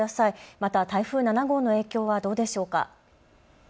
また台風７号の影響はどうでしょうか。